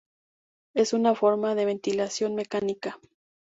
Es una forma de ventilación mecánica.